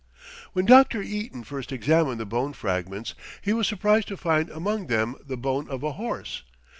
When Dr. Eaton first examined the bone fragments he was surprised to find among them the bone of a horse.